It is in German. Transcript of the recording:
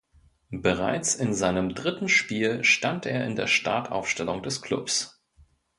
Bereits in seinem dritten Spiel stand er in der Startaufstellung des Klubs.